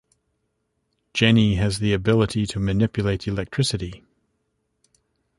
Jenny has the ability to manipulate electricity.